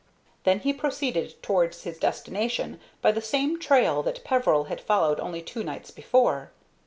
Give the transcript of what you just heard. Then he proceeded towards his destination by the same trail that Peveril had followed only two nights before.